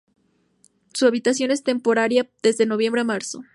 Su habilitación es temporaria desde noviembre a marzo.